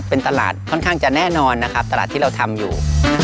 เป็นตลาดค่อนข้างจะแน่นอนนะครับตลาดที่เราทำอยู่